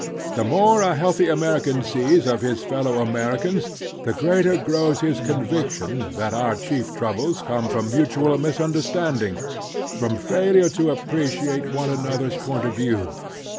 The more a healthy American sees of his fellow Americans the greater grows his conviction that our chief troubles come from mutual misunder standing, from failure to appreciate one another's point of view.